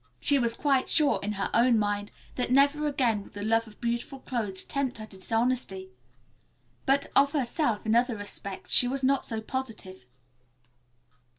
She was quite sure, in her own mind, that never again would the love of beautiful clothes tempt her to dishonesty, but of herself, in other respects, she was not so positive.